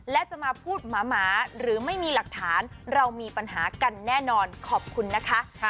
และจะมาพูดหมาหรือไม่มีหลักฐานเรามีปัญหากันแน่นอนขอบคุณนะคะ